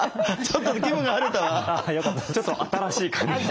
ちょっと新しい感じで。